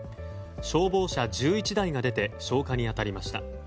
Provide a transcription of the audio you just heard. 消防車１１台が出て消火に当たりました。